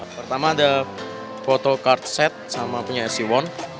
pertama ada photocard set sama punya sc satu